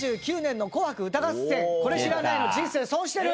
「これ知らないの人生損してる！」。